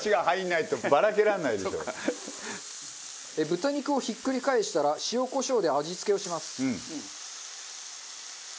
豚肉をひっくり返したら塩コショウで味付けをします。